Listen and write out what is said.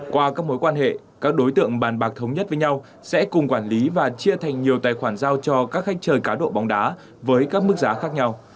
qua các mối quan hệ các đối tượng bàn bạc thống nhất với nhau sẽ cùng quản lý và chia thành nhiều tài khoản giao cho các khách chơi cá độ bóng đá với các mức giá khác nhau